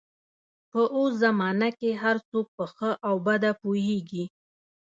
په اوس زمانه کې هر څوک په ښه او بده پوهېږي.